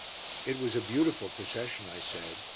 "It was a beautiful procession," I said.